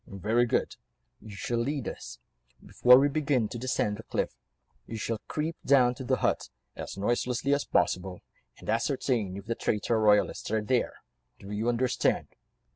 "Very good. You shall lead us. Before we begin to descend the cliff, you shall creep down to the hut, as noiselessly as possible, and ascertain if the traitor royalists are there? Do you understand?"